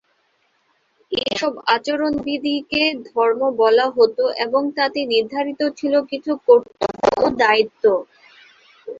সেসব আচরণবিধিকে ‘ধর্ম’ বলা হতো এবং তাতে নির্ধারিত ছিল কিছু কর্তব্য ও দায়িত্ব।